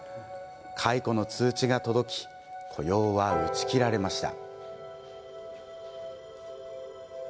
解雇の通知が届き雇用は打ち切られました。